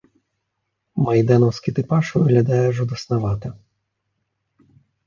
Майданаўскі тыпаж выглядае жудаснавата.